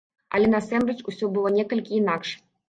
Але насамрэч усё было некалькі інакш.